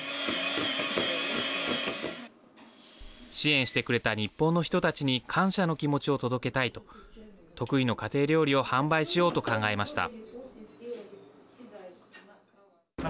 支援してくれた日本の人たちに感謝の気持ちを届けたいと得意の家庭料理を販売しようと考えました。